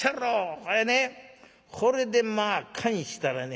これねこれでまあ燗したらね